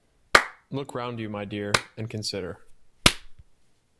Look round you, my dear, and consider.